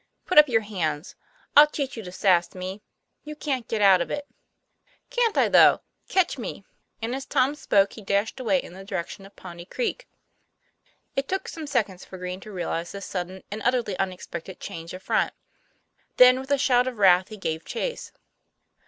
Put up your hands. I'll teach you to sass me. You can't get out of it!" " Can't I though ? Catch me," and as Tom spoke he dashed away in the direction of Pawnee Creek. It took some seconds for Green to realize this sud den and utterly unexpected change of front; then with a shout of wrath he gave chase.